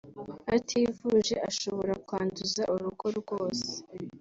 ativuje ashobora kwanduza urugo rwose